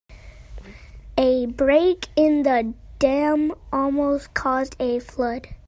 A break in the dam almost caused a flood.